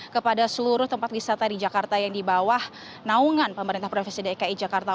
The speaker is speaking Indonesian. kepada seluruh tempat wisata di jakarta yang di bawah naungan pemerintah provinsi dki jakarta